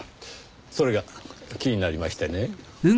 それが気になりましてね。